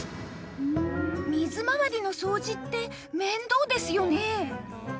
水回りの掃除って面倒ですよね